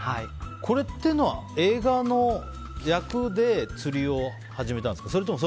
これっていうのは映画の役で釣りを始めたんですか？